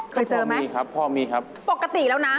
เคยเจอไหมมีครับพ่อมีครับปกติแล้วนะ